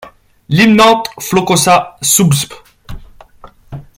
Limnanthes floccosa subsp.